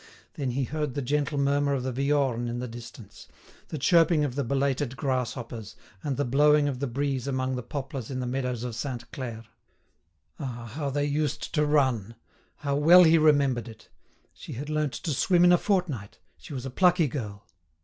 Then he heard the gentle murmur of the Viorne in the distance, the chirping of the belated grasshoppers, and the blowing of the breeze among the poplars in the meadows of Sainte Claire. Ah, how they used to run! How well he remembered it! She had learnt to swim in a fortnight. She was a plucky girl.